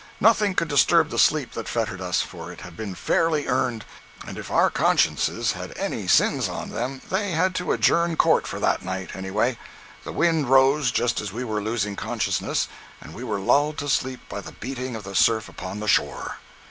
Nothing could disturb the sleep that fettered us, for it had been fairly earned, and if our consciences had any sins on them they had to adjourn court for that night, any way. The wind rose just as we were losing consciousness, and we were lulled to sleep by the beating of the surf upon the shore.